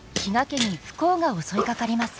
家に不幸が襲いかかります。